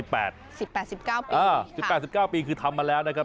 ๑๘๑๙ปี๑๘๑๙ปีคือทำมาแล้วนะครับ